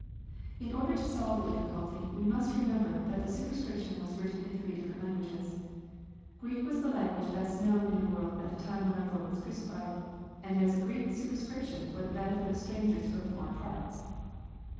In order to solve the difficulty, we must remember that the su perscription was written in three different languages. Greek was the language best known in the world at the time when our Lord was crucified, and there was a Greek superscription for the benefit of strangers from foreign parts.